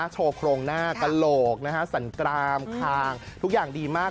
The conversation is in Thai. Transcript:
โชว์โครงหน้ากระโหลกสันกรามคางทุกอย่างดีมาก